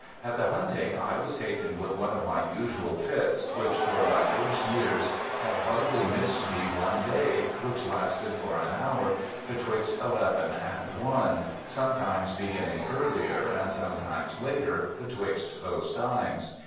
' At the hunting I was taken with one of my usual fits, which for divers years had hardly missed me one day, which lasted for an hour, betwixt eleven and one, sometimes beginning earlier and sometimes later betwixt those times.